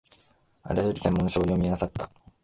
あらゆる専門書を読みあさった